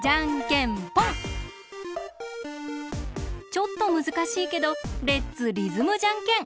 ちょっとむずかしいけどレッツリズムじゃんけん！